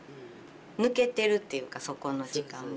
抜けてるっていうかそこの時間が。